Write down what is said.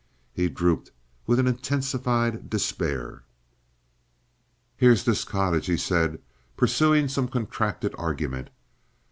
He drooped with an intensified despair. "Here's this cottage," he said, pursuing some contracted argument.